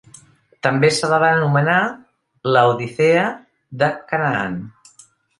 També se la va anomenar Laodicea de Canaan.